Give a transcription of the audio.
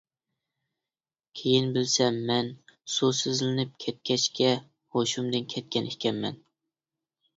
كېيىن بىلسەم، مەن سۇسىزلىنىپ كەتكەچكە ھوشۇمدىن كەتكەن ئىكەنمەن.